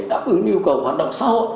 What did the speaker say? đáp ứng yêu cầu hoạt động xã hội